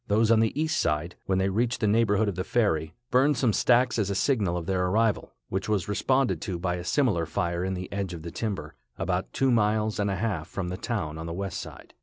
Those on the east side, when they reached the neighborhood of the ferry, burned some stacks as a signal of their arrival, which was responded to by a similar fire in the edge of the timber, about two miles and a half from the town on the west side.